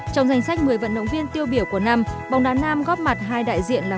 trong danh sách một mươi vận động viên tiêu biểu của năm bóng đá nam góp mặt hai đại diện là